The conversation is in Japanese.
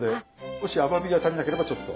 もし甘みが足りなければちょっと。